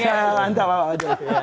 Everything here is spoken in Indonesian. korea korea terbaik ya